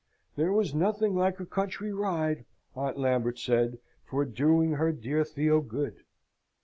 "There was nothing like a country ride," Aunt Lambert said, "for doing her dear Theo good.